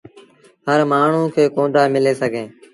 هر مآڻهوٚݩ کي ڪوندآ مليٚ سگھيٚن۔